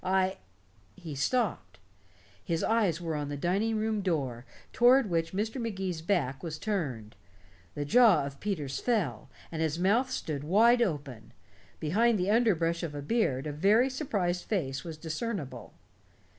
I " He stopped. His eyes were on the dining room door, toward which Mr. Magee's back was turned. The jaw of Peters fell, and his mouth stood wide open. Behind the underbrush of beard a very surprised face was discernible.